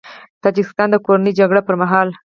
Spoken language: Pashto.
د تاجیکستان د کورنۍ جګړې پر مهال